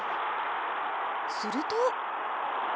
すると。